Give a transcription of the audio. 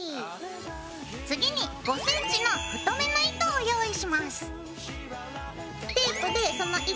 次に５ｃｍの太めの糸を用意します。